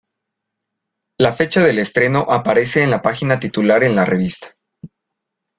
La fecha del estreno aparece en la página titular en la revista.